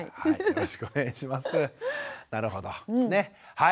はい。